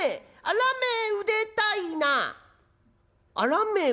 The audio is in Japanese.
『あらめうでたいな』？